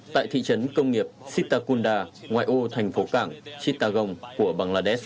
tại thị trấn công nghiệp sittakunda ngoại ô thành phố cảng chittagong của bangladesh